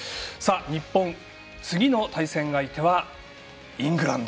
日本、次の対戦相手はイングランド。